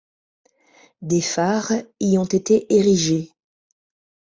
Des phares y ont été érigés.